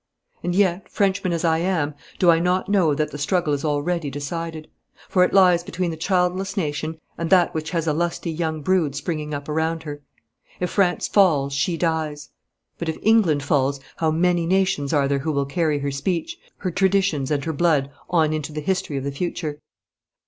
And yet, Frenchman as I am, do I not know that the struggle is already decided? for it lies between the childless nation and that which has a lusty young brood springing up around her. If France falls she dies, but if England falls how many nations are there who will carry her speech, her traditions and her blood on into the history of the future?